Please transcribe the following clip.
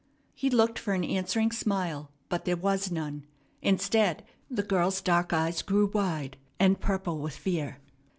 He looked for an answering smile, but there was none. Instead, the girl's dark eyes grew wide and purple with fear.